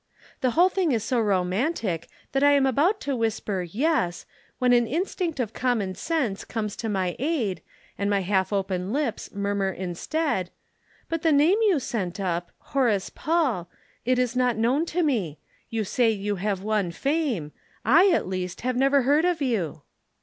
The whole thing is so romantic that I am about to whisper 'yes' when an instinct of common sense comes to my aid and my half opened lips murmur instead: 'But the name you sent up Horace Paul it is not known to me. You say you have won fame. I, at least, have never heard of you.'